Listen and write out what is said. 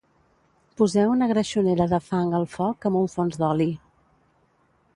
Poseu una greixonera de fang al foc amb un fons d'oli